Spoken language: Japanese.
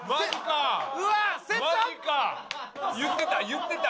言ってた！